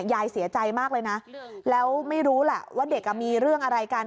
ยายเสียใจมากเลยนะแล้วไม่รู้แหละว่าเด็กมีเรื่องอะไรกัน